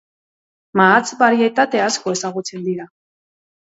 Mahats barietate asko ezagutzen dira.